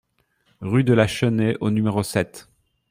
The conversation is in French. Rue de la Chenée au numéro sept